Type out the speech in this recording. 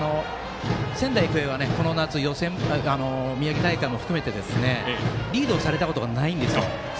仙台育英はこの夏、宮城大会も含めてリードされたことがないんですよ。